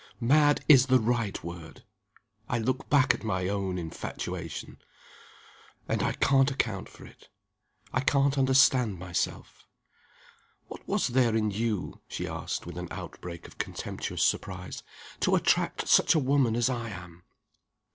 "Mad is the right word! I look back at my own infatuation and I can't account for it; I can't understand myself. What was there in you," she asked, with an outbreak of contemptuous surprise, "to attract such a woman as I am?"